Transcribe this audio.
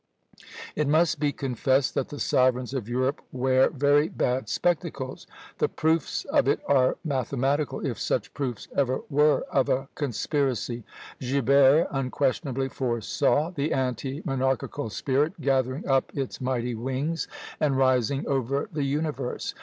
It must be confessed that the sovereigns of Europe wear very bad spectacles. The proofs of it are mathematical, if such proofs ever were, of a conspiracy." Guibert unquestionably foresaw the anti monarchical spirit gathering up its mighty wings, and rising over the universe!